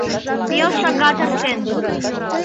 Пел шагат эртен.